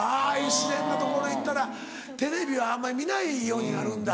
自然な所行ったらテレビはあんまり見ないようになるんだ。